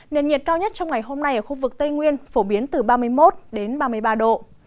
nền nhiệt cao nhất trong ngày hôm nay ở khu vực tây nguyên phổ biến từ ba mươi một đến ba mươi ba độ